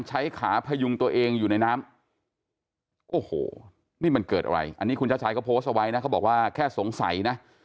ชัยก็โพสเอาไว้นะเขาบอกว่าแค่สงสัยนะ